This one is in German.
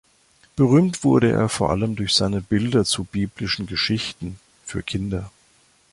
Berühmt wurde er vor allem durch seine Bilder zu biblischen Geschichten für Kinder.